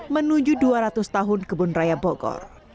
menuju dua ratus tahun kebun raya bogor